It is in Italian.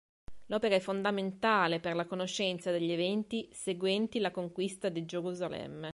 L'opera è fondamentale per la conoscenza degli eventi seguenti la conquista di Gerusalemme.